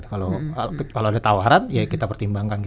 kalau ada tawaran ya kita pertimbangkan